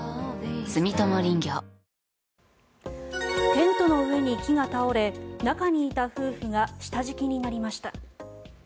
テントの上に木が倒れ中にいた夫婦が下敷きになりました。